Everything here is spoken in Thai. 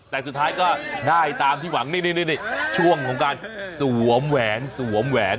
แต่สุดท้ายก็ได้ตามที่หวังนี่ช่วงของการสวมแหวนสวมแหวน